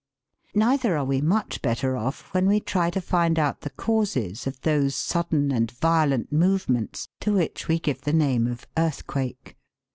Neither are we much better off when we try to find out the causes of those sudden and violent movements to which we give the name of earthquake.